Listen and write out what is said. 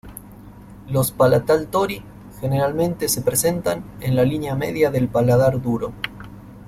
Los palatal tori generalmente se presentan en la línea media del paladar duro.